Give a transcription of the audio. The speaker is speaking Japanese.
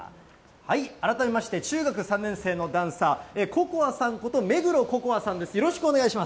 改めまして、中学３年生のダンサー、Ｃｏｃｏａさんこと、目黒恋杏さんです。